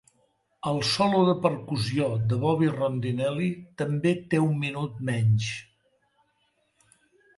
El solo de percussió de Bobby Rondinelli també té un minut menys.